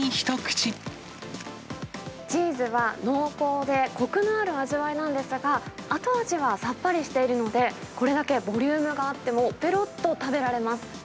チーズは濃厚で、こくのある味わいなんですが、後味はさっぱりしているので、これだけボリュームがあっても、ぺろっと食べられます。